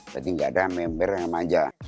tapi enggak ada member yang maja